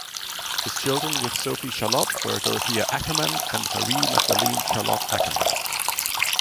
His children with Sophie Charlotte were Dorothea Ackermann and Marie Magdalene Charlotte Ackermann.